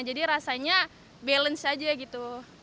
jadi rasanya balance aja gitu